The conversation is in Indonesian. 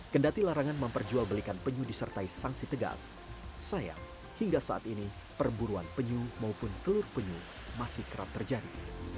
kendati larangan memperjualbelikan penyu disertai sanksi tegas sayang hingga saat ini perburuan penyu maupun telur penyu masih kerap terjadi